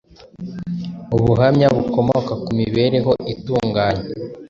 Ubuhamya bukomoka ku mibereho itunganye